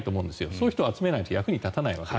そういう人を集めないと役に立たないから。